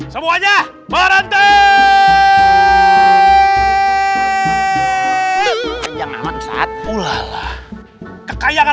semuanya merendah yang alat saat ulala kekayaan